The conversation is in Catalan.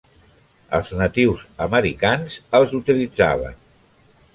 Els natius americans els utilitzaven.